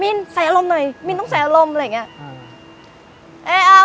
ินใส่อารมณ์หน่อยมินต้องใส่อารมณ์อะไรอย่างนี้